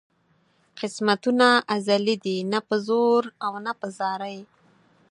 قسمتونه ازلي دي نه په زور او نه په زارۍ.